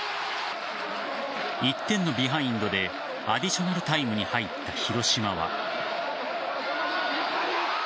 １点のビハインドでアディショナルタイムに入った広島は。